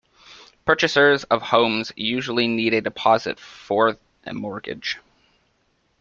Purchasers of homes usually need a deposit for a mortgage.